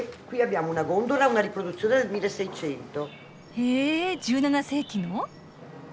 へえ１７世紀の。